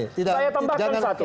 saya tambahkan satu